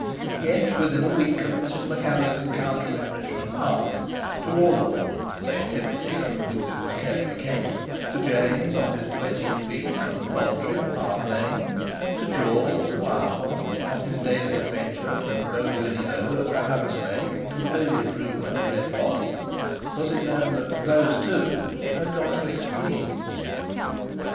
Yet, within a week of Mrs. MacAnder's encounter in Richmond Park, to all of them—save Timothy, from whom it was carefully kept—to James on his domestic beat from the Poultry to Park Lane, to George the wild one, on his daily adventure from the bow window at the Haversnake to the billiard room at the "Red Pottle," was it known that "those two" had gone to extremes.